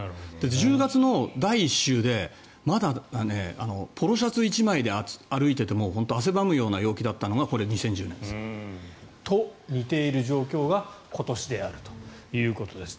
１０月の第１週でまだポロシャツ１枚で歩いてても本当に汗ばむような陽気だったのが２０１０年です。と似ている状況が今年であるということです。